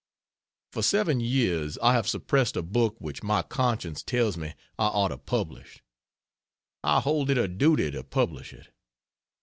For seven years I have suppressed a book which my conscience tells me I ought to publish. I hold it a duty to publish it.